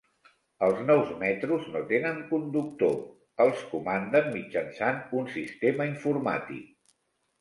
Els nous metros no tenen conductor, els comanden mitjançant un sistema informàtic.